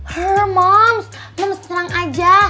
hah moms moms tenang aja